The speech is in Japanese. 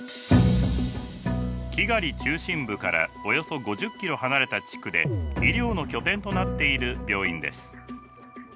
キガリ中心部からおよそ５０キロ離れた地区で医療の拠点となっている病院です。